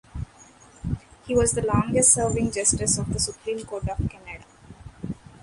He was the longest serving justice of the Supreme Court of Canada.